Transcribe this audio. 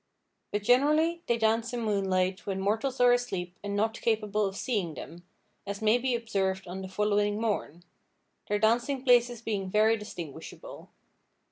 But generally they dance in moonlight when mortals are asleep and not capable of seeing them, as may be observed on the following morn—their dancing–places being very distinguishable.